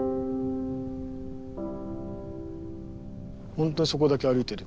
本当にそこだけ歩いてるっていう。